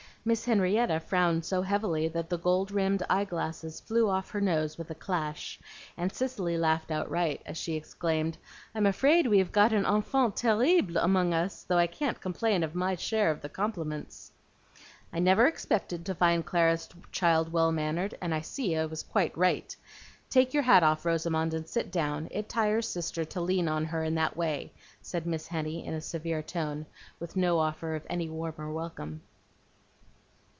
Miss Henrietta frowned so heavily that the gold rimmed eye glasses flew off her nose with a clash, and Cicely laughed outright, as she exclaimed, "I'm afraid we have got an enfant terrible among us, though I can't complain of my share of the compliments." "I never expected to find Clara's child well mannered, and I see I was quite right. Take your hat off, Rosamond, and sit down. It tires Sister to lean on her in that way," said Miss Henny in a severe tone, with no offer of any warmer welcome.